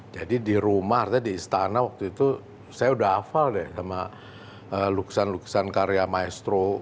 di rumah artinya di istana waktu itu saya udah hafal deh sama lukisan lukisan karya maestro